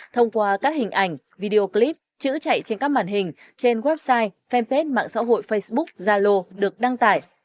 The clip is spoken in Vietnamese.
thông qua các hình ảnh video clip chữ chạy trên các màn hình trên website fanpage mạng xã hội facebook zalo được đăng tải